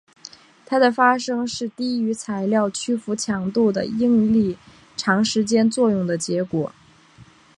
它的发生是低于材料屈服强度的应力长时间作用的结果。